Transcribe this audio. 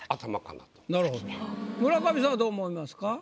村上さんはどう思いますか？